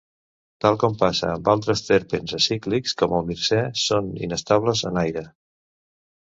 Tal com passa amb altres terpens acíclics, com el mircè, són inestables en aire.